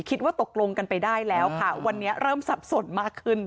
คิดว่าตกลงกันไปได้แล้วค่ะวันนี้เริ่มสับสนมากขึ้น